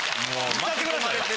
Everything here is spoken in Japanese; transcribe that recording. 言ったってくださいよ。